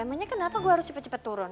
emangnya kenapa gue harus cepet cepet turun